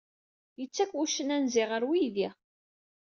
Yettak wuccen anzi ɣer uydi.